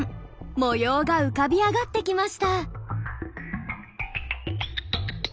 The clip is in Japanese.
模様が浮かび上がってきました。